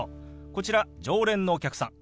こちら常連のお客さん。